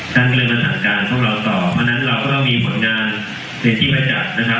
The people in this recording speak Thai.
ก็เลี่ยงมันตามการของเราต่อเพราะนั้นเราก็ต้องมีผลงานในที่ไว้กัด